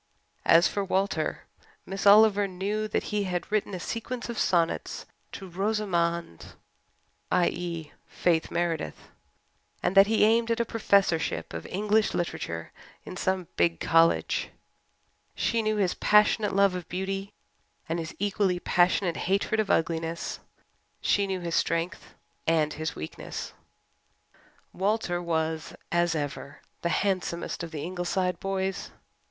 As for Walter, Miss Oliver knew that he had written a sequence of sonnets "to Rosamond" i.e., Faith Meredith and that he aimed at a Professorship of English literature in some big college. She knew his passionate love of beauty and his equally passionate hatred of ugliness; she knew his strength and his weakness. Walter was, as ever, the handsomest of the Ingleside boys.